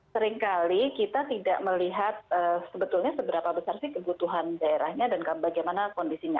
seringkali kita tidak melihat sebetulnya seberapa besar sih kebutuhan daerahnya dan bagaimana kondisinya